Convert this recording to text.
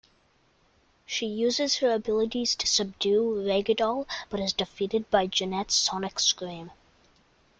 She uses her abilities to subdue Ragdoll, but is defeated by Jeannette's sonic scream.